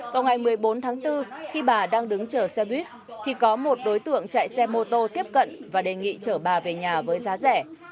vào ngày một mươi bốn tháng bốn khi bà đang đứng chở xe buýt thì có một đối tượng chạy xe mô tô tiếp cận và đề nghị chở bà về nhà với giá rẻ